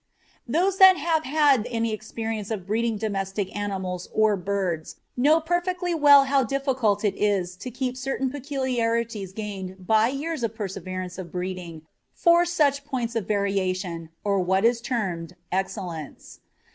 Those that have had any experience of breeding domesticated animals or birds, know perfectly well how difficult it is to keep certain peculiarities gained by years of perseverance of breeding for such points of variation, or what is termed excellence.